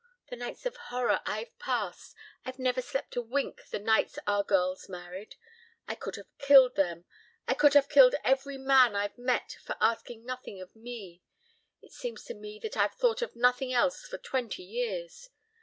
The nights of horror I've passed. I've never slept a wink the nights our girls married. I could have killed them. I could have killed every man I've met for asking nothing of me. It seems to me that I've thought of nothing else for twenty years.